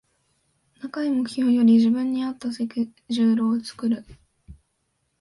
高い目標より自分に合ったスケジュールを作る